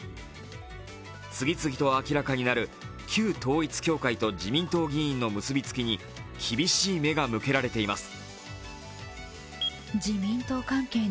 次々と明らかになる旧統一教会と自民党議員の結びつきに厳しい目が向けられています。